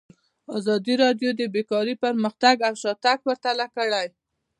ازادي راډیو د بیکاري پرمختګ او شاتګ پرتله کړی.